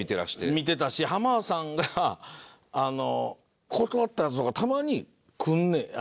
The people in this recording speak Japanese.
見てたし浜田さんが断ったやつとかたまに来るねん。